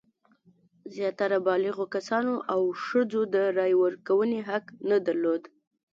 زیاتره بالغو کسانو او ښځو د رایې ورکونې حق نه درلود.